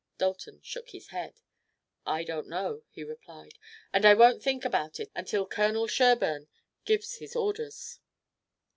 Dalton shook his head. "I don't know," he replied, "and I won't think about it until Colonel Sherburne gives his orders."